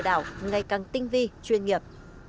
đảo ngày càng tinh vi chuyên nghiệp